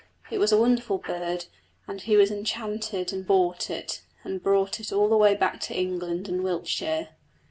It was a wonderful bird, and he was enchanted and bought it, and brought it all the way back to England and Wiltshire.